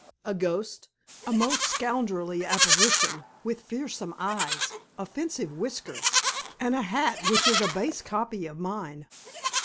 "A ghost, a most scoundrelly apparition, with fearsome eyes, offensive whiskers, and a hat which is a base copy of mine."